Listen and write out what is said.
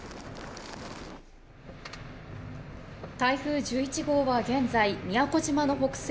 台風１１号は現在、宮古島の北西